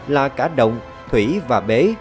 là cả động thủy và bế